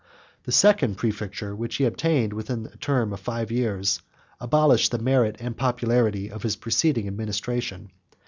The second præfecture, which he obtained within the term of five years, abolished the merit and popularity of his preceding administration.